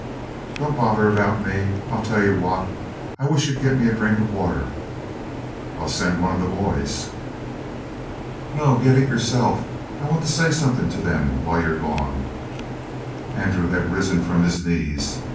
"Don't bother about me. I'll tell you what I wish you'd get me a drink of water." "I'll send one of the boys." "No, get it yourself. I want to say something to them while you're gone." Andrew had risen up from his knees.